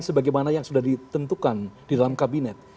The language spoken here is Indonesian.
sebagaimana yang sudah ditentukan di dalam kabinet